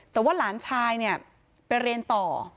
แต่ว่าหลานชายเนี่ยไปเรียนต่อ